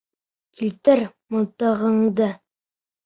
Килтер мылтығыңды!